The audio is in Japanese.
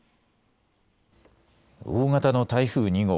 大型の台風２号。